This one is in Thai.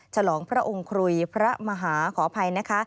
ฉลองพระองค์ครุยพระมหาขออภัยนะคะ